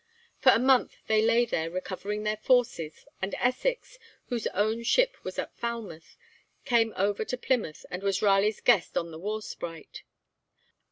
For a month they lay there, recovering their forces, and Essex, whose own ship was at Falmouth, came over to Plymouth and was Raleigh's guest on the 'War Sprite.'